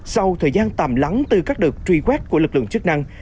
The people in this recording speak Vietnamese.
sau thời gian tạm lắng từ các đợt truy quét của lực lượng chức năng